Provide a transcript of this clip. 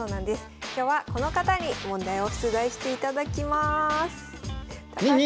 今日はこの方に問題を出題していただきます。